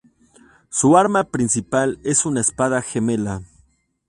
Su arma principal es una espada gemela.